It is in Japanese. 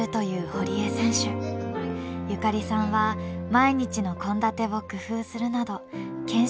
友加里さんは毎日の献立を工夫するなど献身的に支えています。